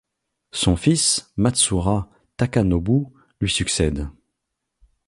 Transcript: Son fils Matsura Takanobu lui succède.